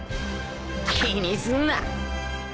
気にすんな！